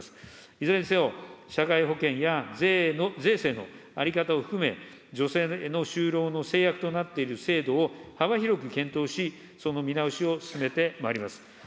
いずれにせよ、社会保険や税制の在り方を含め、女性の就労の制約となっている制度を幅広く検討し、その見直しを進めてまいります。